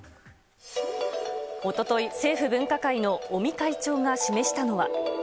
おととい、政府分科会の尾身会長が示したのは。